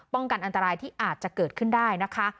กันอันตรายที่อาจจะเกิดขึ้นได้นะคะ